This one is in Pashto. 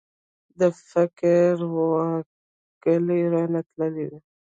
د فکر واګي رانه تللي وو.